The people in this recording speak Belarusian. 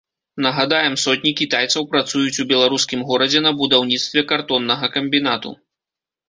Нагадаем, сотні кітайцаў працуюць у беларускім горадзе на будаўніцтве картоннага камбінату.